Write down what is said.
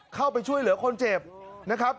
เข้าไปช่วยเหลือคนเจ็บ